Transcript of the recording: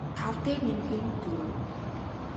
тав дээр нэмэх нь дөрөв